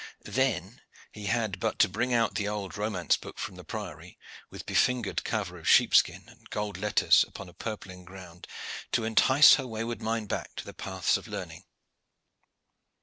Then he had but to bring out the old romance book from the priory, with befingered cover of sheepskin and gold letters upon a purple ground, to entice her wayward mind back to the paths of learning.